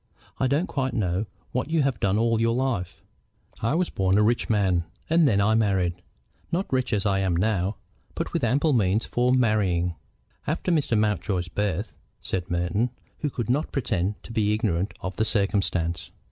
"I don't quite know what you have done all your life." "I was born a rich man, and then I married, not rich as I am now, but with ample means for marrying." "After Mr. Mountjoy's birth," said Merton, who could not pretend to be ignorant of the circumstance.